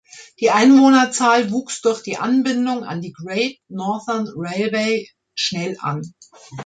Die Einwohnerzahl wuchs durch die Anbindung an die Great Northern Railway schnell an.